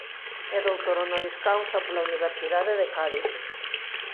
É Doutor Honoris Causa pola Universidade de Cádiz.